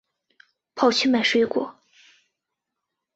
跑去买水果